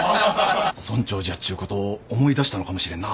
村長じゃっちゅうことを思い出したのかもしれんな。